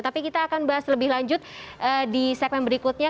tapi kita akan bahas lebih lanjut di segmen berikutnya